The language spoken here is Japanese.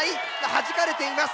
はじかれています。